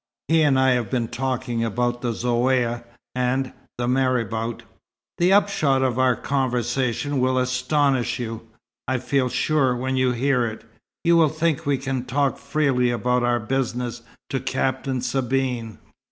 He and I've been talking about the Zaouïa and the marabout. The upshot of our conversation will astonish you. I feel sure, when you hear it, you will think we can talk freely about our business to Captain Sabine."